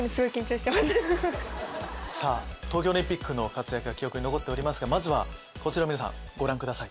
さぁ東京オリンピックの活躍は記憶に残っておりますがまずはこちらを皆さんご覧ください。